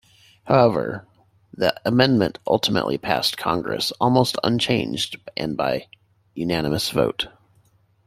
However, the amendment ultimately passed Congress almost unchanged and by unanimous vote.